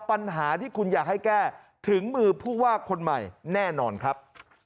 ปัญหาที่คุณอยากให้แก้ถึงมือผู้ว่าคนใหม่แน่นอนครับ